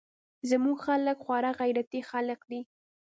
زموږ خلق خورا غيرتي خلق دي.